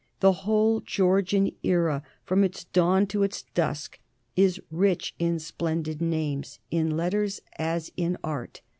The whole Georgian era, from its dawn to its dusk, is rich in splendid names in letters as in art.